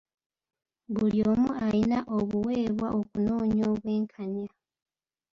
Buli omu ayina obuweebwa okunoonya obw'enkanya.